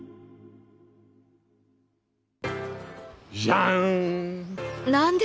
じゃん。